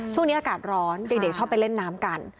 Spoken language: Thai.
ช่วงนี้อากาศร้อนเด็กชอบไปเล่นน้ำกัน